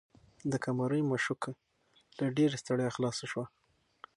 د قمرۍ مښوکه له ډېرې ستړیا خلاصه شوه.